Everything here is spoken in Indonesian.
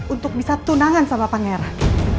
untuk bisa tunangan sama pangeran